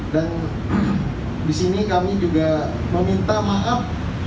dan di sini kami juga meminta maaf